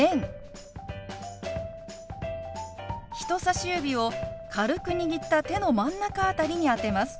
人さし指を軽く握った手の真ん中辺りに当てます。